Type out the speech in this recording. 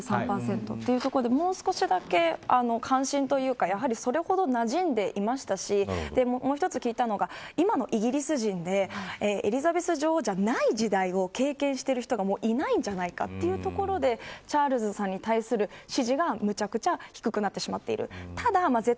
もう少しだけ関心というかやはりそれほど馴染んでいましたしもう一つ聞いたのが今のイギリスでエリザベス女王じゃない時代を経験している人がもういないんじゃないかということでチャールズさんに対する支持が無茶苦茶低くなってしまっている。